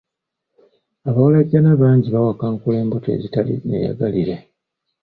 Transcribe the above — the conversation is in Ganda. Abawalajjana bangi bawakankula embuto ezitali nneeyagalire.